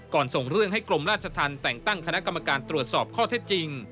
ส่งเรื่องให้กรมราชธรรมแต่งตั้งคณะกรรมการตรวจสอบข้อเท็จจริง